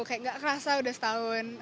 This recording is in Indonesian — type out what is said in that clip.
kayak gak kerasa udah setahun